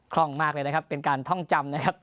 ร่องมากเลยนะครับเป็นการท่องจำนะครับ